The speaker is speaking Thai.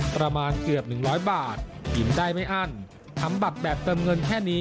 ประมาณเกือบหนึ่งร้อยบาทกินได้ไม่อั้นทำบัตรแบบเติมเงินแค่นี้